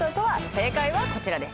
正解はこちらです。